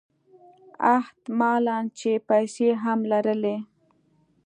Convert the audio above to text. احت مالًا چې پیسې هم لرلې.